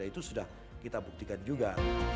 itu sudah kita buktikan juga